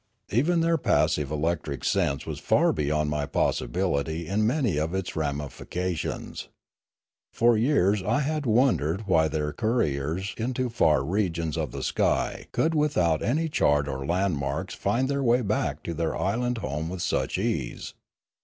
Even their passive electric sense was far beyond my possibility in many of its ramifications. For years I had wondered why their couriers into far regions of the sky could without any chart or landmarks find their way back to their island home with such ease.